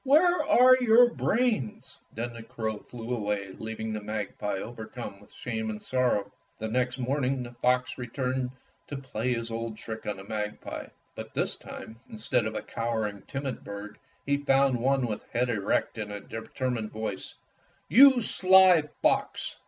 Where are your brains?" Then the crow fiew away leaving the mag pie overcome with shame and sorrow. The next morning the fox returned to play his old trick on the magpie, but this time, instead of a cowering, timid bird, he found one with head erect and a determined voice, "You sly fox!"